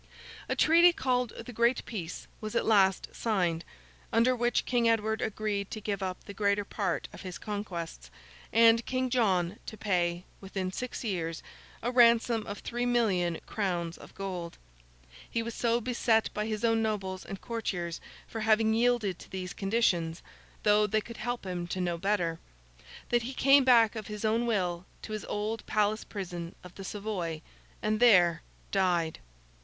A treaty called the Great Peace, was at last signed, under which King Edward agreed to give up the greater part of his conquests, and King John to pay, within six years, a ransom of three million crowns of gold. He was so beset by his own nobles and courtiers for having yielded to these conditions—though they could help him to no better—that he came back of his own will to his old palace prison of the Savoy, and there died.